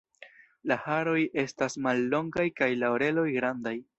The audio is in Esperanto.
La haroj estas mallongaj kaj la oreloj grandaj.